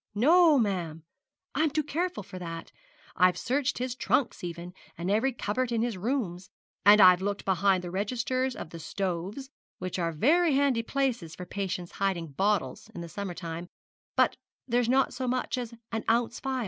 'No, ma'am; I'm too careful for that. I've searched his trunks even, and every cupboard in his rooms; and I've looked behind the registers of the stoves, which are very handy places for patients hiding bottles in summer time; but there's not so much as an ounce phial.